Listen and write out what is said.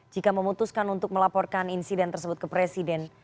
jika memutuskan untuk melaporkan insiden tersebut ke presiden